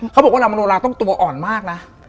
เขาบอกว่าเรามโนราต้องตัวอ่อนมากนะ